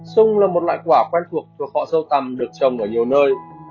sung là một loại quả quen thuộc của họ sâu tầm được trồng ở nhiều nơi